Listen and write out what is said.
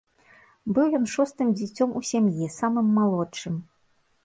Быў ён шостым дзіцём у сям'і, самым малодшым.